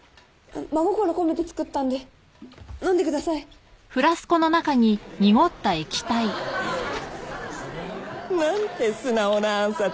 真心込めて作ったんで飲んでください！なんて素直な暗殺